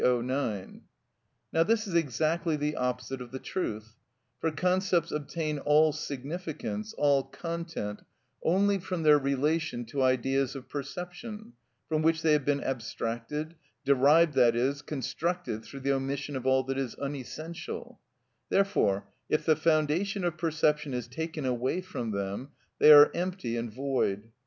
Now this is exactly the opposite of the truth; for concepts obtain all significance, all content, only from their relation to ideas of perception, from which they have been abstracted, derived, that is, constructed through the omission of all that is unessential: therefore if the foundation of perception is taken away from them, they are empty and void.